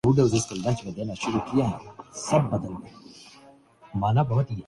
تذبذب کا شکار رہی۔